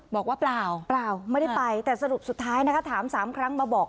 เปล่าเปล่าไม่ได้ไปแต่สรุปสุดท้ายนะคะถาม๓ครั้งมาบอก